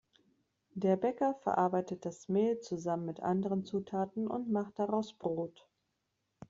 Der Bäcker verarbeitet das Mehl zusammen mit anderen Zutaten und macht daraus Brot.